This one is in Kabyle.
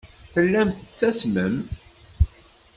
Tellamt tettasmemt.